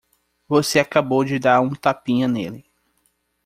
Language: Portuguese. Você acabou de dar um tapinha nele.